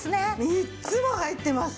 ３つも入ってます。